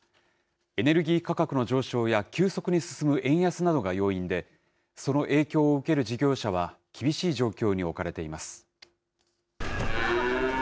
エネルギー価格の上昇や、急速に進む円安などが要因で、その影響を受ける事業者は、厳しい状況に置かれています。